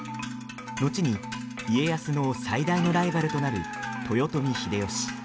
後に家康の最大のライバルとなる豊臣秀吉。